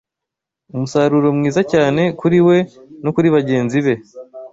umusaruro mwiza cyane kuri we no kuri bagenzi be